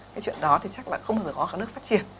cái chuyện đó thì chắc là không bao giờ có các nước phát triển